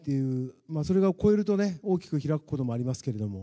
それを超えるとね、大きく開くこともありますけれども。